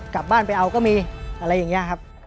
กลับบ้านไปเอาก็มีอะไรอย่างนี้ครับ